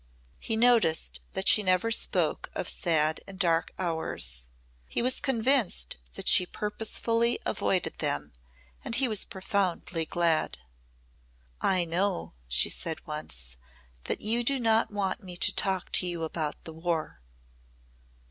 He noticed that she never spoke of sad and dark hours. He was convinced that she purposely avoided them and he was profoundly glad. "I know," she said once, "that you do not want me to talk to you about the War."